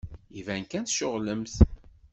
Iban kan tceɣlemt.